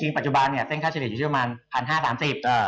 จริงปัจจุบันเส้นค่าเฉลี่ยได้อยู่เท่านั้น๑๕๓๐บาท